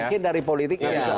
mungkin dari politiknya